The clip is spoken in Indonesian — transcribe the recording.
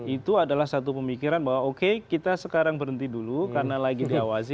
itu adalah satu pemikiran bahwa oke kita sekarang berhenti dulu karena lagi diawasi